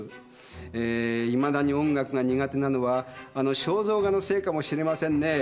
えーいまだに音楽が苦手なのはあの肖像画のせいかもしれませんねえ。